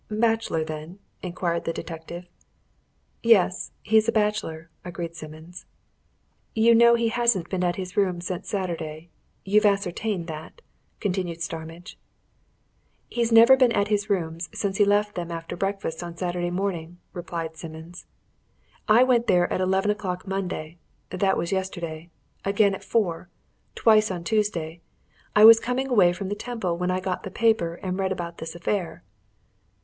"Bachelor, then?" inquired the detective. "Yes he's a bachelor," agreed Simmons. "You know he hasn't been at his rooms since Saturday you've ascertained that?" continued Starmidge. "He's never been at his rooms since he left them after breakfast on Saturday morning," replied Simmons. "I went there at eleven o'clock Monday that was yesterday again at four: twice on Tuesday. I was coming away from the Temple when I got the paper and read about this affair."